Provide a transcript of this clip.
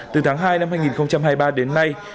từ tháng hai năm hai nghìn hai mươi ba đến nay